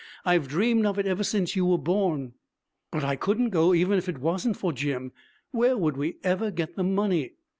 I've dreamed of it ever since you were born.' 'But I couldn't go even if it wasn't for Jim. Where would we ever get the money?